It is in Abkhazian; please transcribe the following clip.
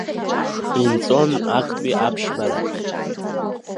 Инҵәон актәи аԥшьбарак.